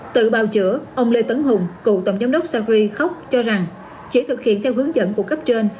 tự bào chữa ông lê tấn hùng cựu tổng giám đốc sacri khóc cho rằng chỉ thực hiện theo hướng dẫn của cấp trên